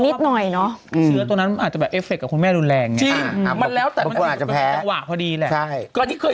มันว่ามันจะอาการขึ้นแล้วก็ติดเชื้อในกระแส